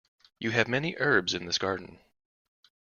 You have many herbs in this garden.